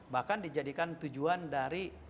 bahkan dijadikan tujuan dari